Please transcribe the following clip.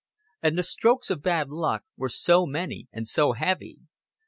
And the strokes of bad luck were so many and so heavy.